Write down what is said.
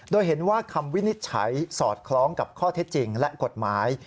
โดยเห็นว่าคำวินิจฉัยสอดคล้องกับข้อเท็จจริงและกฎหมาย